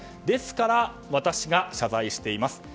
ですから私が謝罪しています。